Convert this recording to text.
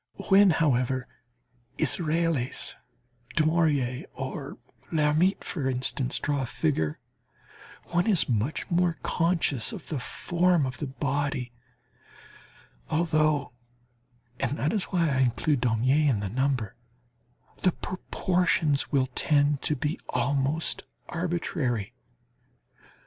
When, however, Israels, Daumier or Lhermitte, for instance, draw a figure, one is much more conscious of the form of the body, although and that is why I include Daumier in the number the proportions will tend to be almost arbitrary.